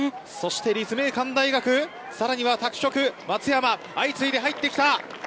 立命館大学、さらには拓殖松山が相次いで入ってきた。